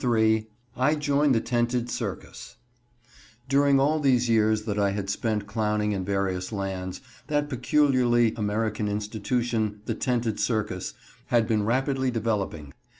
III I JOIN THE TENTED CIRCUS During all these years that I had spent clowning in various lands, that peculiarly American institution, the tented circus, had been rapidly developing.